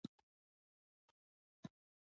نوي علوم او ګڼ میتودونه انسانانو ته ورکړل شوي.